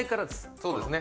そうですね。